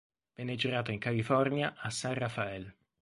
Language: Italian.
Venne girato in California a San Rafael.